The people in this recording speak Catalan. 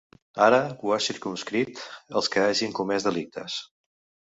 Ara ho ha circumscrit als que hagin comès delictes.